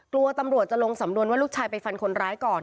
กลัวตำรวจจะลงสำนวนว่าลูกชายไปฟันคนร้ายก่อน